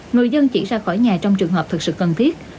người dân chỉ ra khỏi nhà trong trường hợp thực sự cần thiết